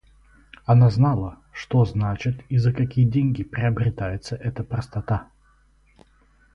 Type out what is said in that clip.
Она знала, что значит и за какие деньги приобретается эта простота.